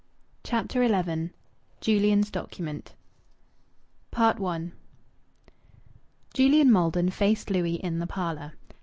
CHAPTER XI JULIAN'S DOCUMENT I Julian Maldon faced Louis in the parlour.